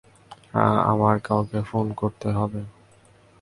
আমার কাউকে ফোন করতে হবে।